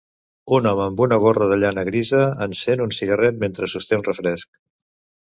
Un home amb una gorra de llana grisa encén un cigarret mentre sosté un refresc.